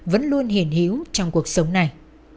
vẫn luôn hiển hiếu trong cuộc sống này